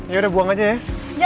ya udah buang aja ya